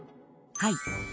はい。